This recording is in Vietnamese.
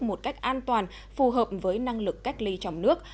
một cách an toàn phù hợp với năng lực cách ly trong nước